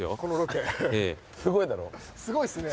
すごいっすね。